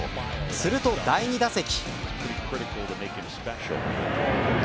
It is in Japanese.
すると第２打席。